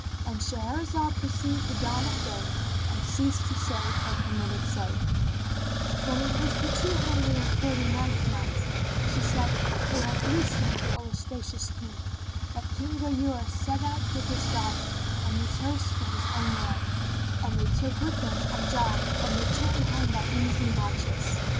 —And Shahrazad perceived the dawn of day and ceased to say her permitted say, When it was the Two Hundred and Forty ninth Night, She said, It hath reached me, O auspicious King, that King Ghayur set out with his daughter and his host for his own land, and they took with them Amjad and returned home by easy marches.